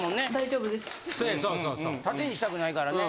縦にしたくないからね。